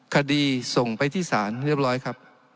คดีส่งไปที่ศาลเรียบร้อยครับ